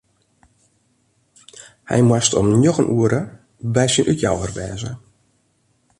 Hy moast om njoggen oere by syn útjouwer wêze.